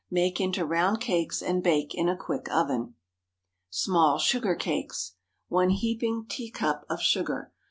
Make into round cakes and bake in a quick oven. SMALL SUGAR CAKES. 1 heaping teacup of sugar.